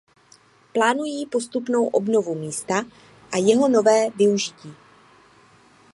Plánují postupnou obnovu místa a jeho nové využití.